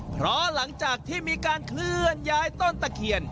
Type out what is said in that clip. เพราะหลังจากที่มีการเคลื่อนย้ายต้นตะเคียน